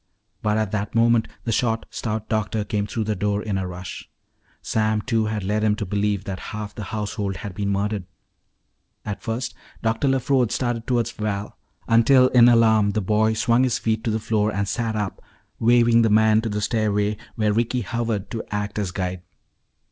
But at that moment the short, stout doctor came through the door in a rush. Sam Two had led him to believe that half the household had been murdered. At first Dr. LeFrode started toward Val, until in alarm the boy swung his feet to the floor and sat up, waving the man to the stairway where Ricky hovered to act as guide.